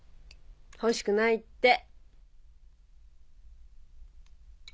欲しくないって。